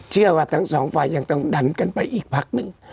เชื่อว่าทั้งสองฝ่ายยังต้องดันกันไปอีกพักหนึ่ง